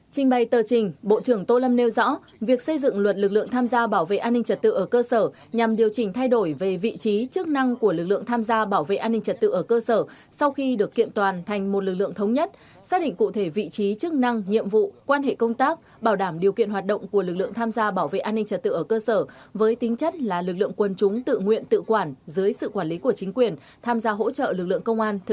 chính bày tờ trình bộ trưởng tô lâm nêu rõ việc xây dựng luật lực lượng tham gia bảo vệ an ninh trật tự ở cơ sở nhằm điều chỉnh thay đổi về vị trí chức năng của lực lượng tham gia bảo vệ an ninh trật tự ở cơ sở sau khi được kiện toàn thành một lực lượng thống nhất xác định cụ thể vị trí chức năng nhiệm vụ quan hệ công tác bảo đảm điều kiện hoạt động của lực lượng tham gia bảo vệ an ninh trật tự ở cơ sở với tính chất là lực lượng quân chúng tự nguyện tự quản dưới sự quản lý của chính quyền tham gia hỗ trợ lực